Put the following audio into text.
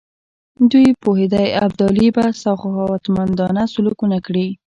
دی پوهېدی ابدالي به سخاوتمندانه سلوک ونه کړي.